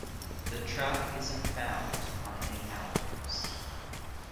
The track isn't found on any albums.